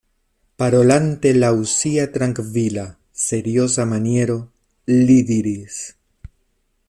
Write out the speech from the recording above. Parolante laŭ sia trankvila, serioza maniero, li diris: